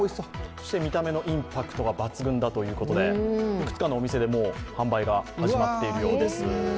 見た目のインパクトが抜群だということで、いくつかのお店で販売が始まっているようです。